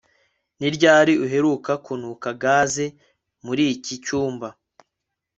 ni ryari uheruka kunuka gaze muri iki cyumba